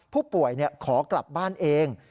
ผู้ป่วยขอกลับบ้านเอง